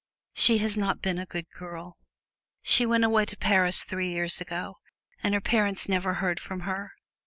She has not been a good girl. She went away to Paris, three years ago, and her parents never heard from her.